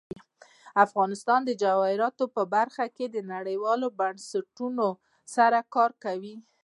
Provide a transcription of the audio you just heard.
افغانستان د جواهرات په برخه کې نړیوالو بنسټونو سره کار کوي.